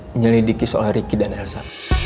menyelidiki soal ricky dan elsa